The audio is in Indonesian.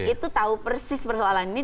itu tahu persis persoalan ini